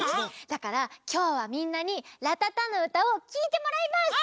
だからきょうはみんなに「らたたのうた」をきいてもらいます！